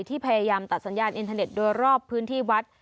ที่พยายามตัดสัญญาณอินเทอร์เน็ตโดยรอบพื้นที่วัด